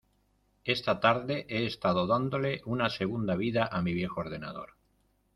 Esta tarde he estado dándole una segunda vida a mi viejo ordenador.